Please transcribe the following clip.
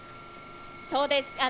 そうです。